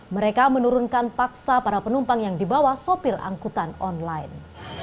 mereka menurunkan paksa para penumpang yang dibawa sopir angkutan online